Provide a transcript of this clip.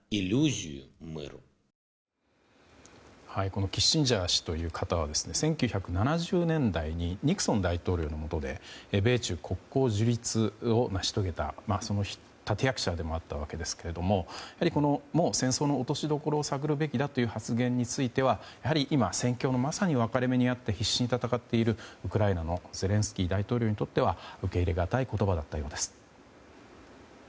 このキッシンジャー氏という方は１９７０年代にニクソン大統領のもとで米中国交樹立を成し遂げたその立役者でもあったわけですけれどもやはり、もう戦争の落としどころを探るべきだという発言は戦況の分かれ目にあって必死に戦っているウクライナのゼレンスキー大統領にとっては受け入れがたい言葉だったようです。